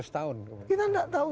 tiga ratus tahun kita tidak tahu